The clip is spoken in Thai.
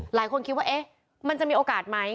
หลายคนคิดว่าเอ๊ะมันจะมีโอกาสไหม